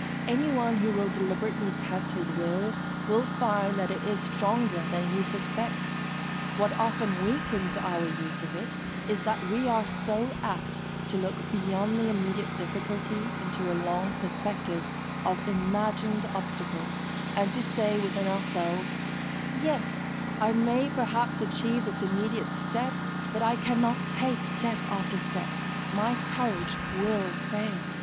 Anyone who will deliberately test his will, will find that it is stronger than he suspects; what often weakens our use of it is that we are so apt to look beyond the immediate difficulty into a long perspective of imagined obstacles, and to say within ourselves, "Yes, I may perhaps achieve this immediate step, but I cannot take step after step my courage will fail!"